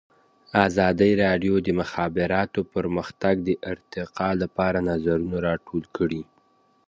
ازادي راډیو د د مخابراتو پرمختګ د ارتقا لپاره نظرونه راټول کړي.